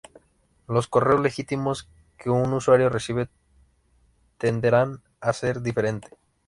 Los correos legítimos que un usuario recibe tenderán a ser diferente.